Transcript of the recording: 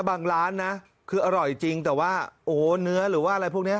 ร้านนะคืออร่อยจริงแต่ว่าโอ้โหเนื้อหรือว่าอะไรพวกนี้